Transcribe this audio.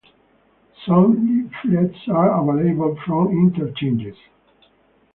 Some leaflets are available from Interchanges.